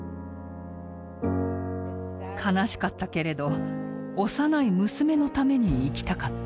悲しかったけれど幼い娘のために生きたかった。